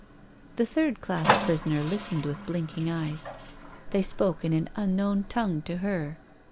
The third class prisoner listened with blinking eyes. They spoke in an unknown tongue to her.